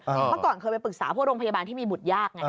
เมื่อก่อนเคยไปปรึกษาพวกโรงพยาบาลที่มีบุตรยากไง